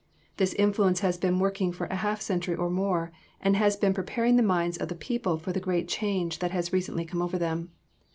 This influence has been working for a half century or more, and has been preparing the minds of the people for the great change that has recently come over them.